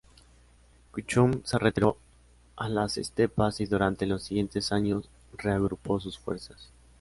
Kuchum se retiró a las estepas y durante los siguientes años reagrupó sus fuerzas.